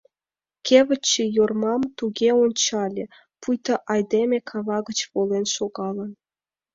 Кевытче Йормам туге ончале, пуйто айдеме кава гыч волен шогалын.